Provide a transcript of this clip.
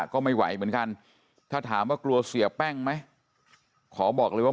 ก็ไม่ไหวเหมือนกันถ้าถามว่ากลัวเสียแป้งไหมขอบอกเลยว่า